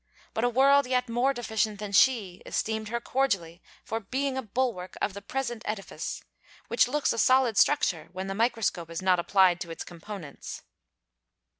But a world yet more deficient than she, esteemed her cordially for being a bulwark of the present edifice; which looks a solid structure when the microscope is not applied to its components.